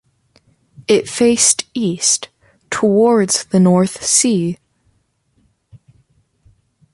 It faced east towards the North Sea.